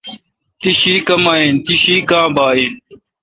تی شی کما این؟ تی شی کا ں باگہ این۔